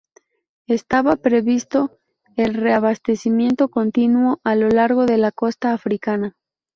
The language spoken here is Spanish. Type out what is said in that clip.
Estaba previsto el reabastecimiento continuo a lo largo de la costa africana.